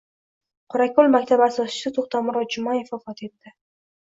«Qorako‘l maktabi» asoschisi To‘xtamurod Jumayev vafot etdi